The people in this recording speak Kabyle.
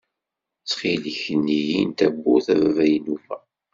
Ttxil-k lli-yi-n tawwurt a baba Inuba.